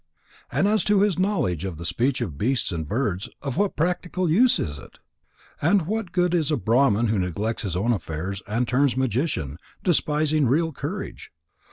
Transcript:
And as to his knowledge of the speech of beasts and birds, of what practical use is it? And what good is a Brahman who neglects his own affairs and turns magician, despising real courage?